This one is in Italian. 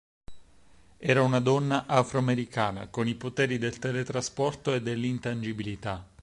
Era una donna afro-americana, con i poteri del teletrasporto e dell'intangibilità.